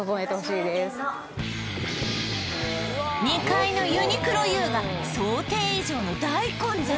２階のユニクロＵが想定以上の大混雑